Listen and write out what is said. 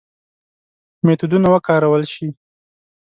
میتودونه وکارول شي.